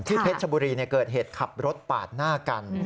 เพชรชบุรีเกิดเหตุขับรถปาดหน้ากัน